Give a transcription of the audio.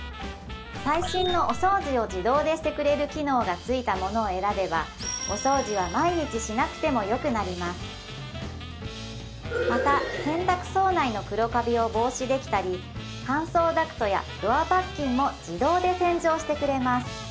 最新のお掃除を自動でしてくれる機能が付いたものを選べばお掃除は毎日しなくてもよくなりますまた洗濯槽内の黒カビを防止できたり乾燥ダクトやドアパッキンも自動で洗浄してくれます